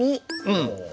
うん。